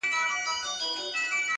که یې زلفې، که کاکل، که یې ګیسو دی